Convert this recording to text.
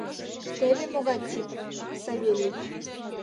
Теве могай тип — Савельев!